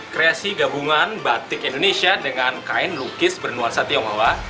kreasi gabungan batik indonesia dengan kain lukis bernuansa tionghoa